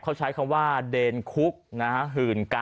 ดูดูให้ดีด้วยมีที่นอนบังอยู่ต้องให้ระวังที่นอนด้วย